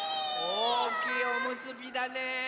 おおきいおむすびだね。